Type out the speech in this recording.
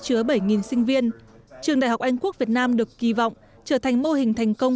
chứa bảy sinh viên trường đại học anh quốc việt nam được kỳ vọng trở thành mô hình thành công